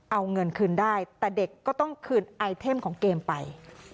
เอาเงินคืนได้แต่เด็กก็ต้องคืนไอเทมของเกมไป